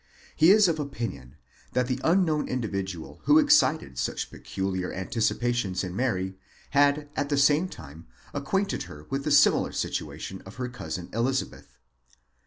He is of opinion! that the unknown individual who excited such peculiar anticipations in Mary, had at the same time acquainted her with the similar situation of her cousin Elizabeth.